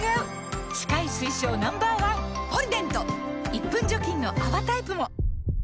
１分除菌の泡タイプも！